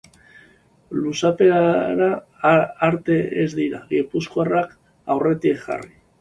Luzapenera arte ez dira gipuzkoarrak aurretik jarri.